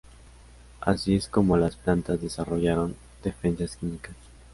Así es como las plantas desarrollaron defensas químicas.